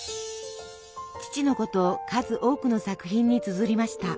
父のことを数多くの作品につづりました。